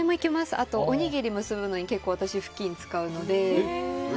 あと、おにぎり結ぶのに結構、ふきんを使うので。